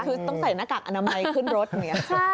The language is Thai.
คือต้องใส่หน้ากากอนามัยขึ้นรถอย่างนี้ค่ะ